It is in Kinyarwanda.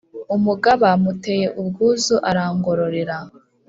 Umugaba muteye ubwuzu arangororera